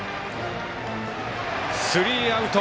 スリーアウト。